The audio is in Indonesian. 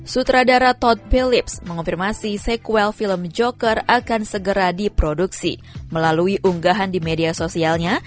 sutradara tod philips mengonfirmasi sequel film joker akan segera diproduksi melalui unggahan di media sosialnya